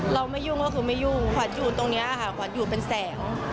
ไม่ยุ่งก็คือไม่ยุ่งขวัญอยู่ตรงนี้ค่ะขวัญอยู่เป็นแสง